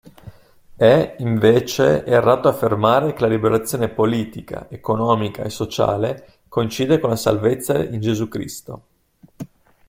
È, invece, errato affermare che la liberazione politica, economica e sociale coincide con la salvezza in Gesù Cristo.